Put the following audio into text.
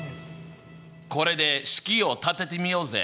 これで式を立ててみようぜ！